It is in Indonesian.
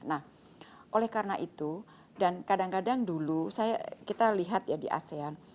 nah oleh karena itu dan kadang kadang dulu kita lihat ya di asean